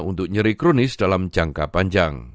untuk nyeri kronis dalam jangka panjang